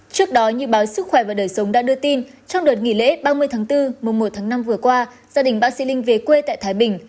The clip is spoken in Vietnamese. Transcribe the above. trước đó như báo sức khỏe và đời sống đã đưa tin trong đợt nghỉ lễ ba mươi tháng bốn mùa một tháng năm vừa qua gia đình bác sĩ linh về quê tại thái bình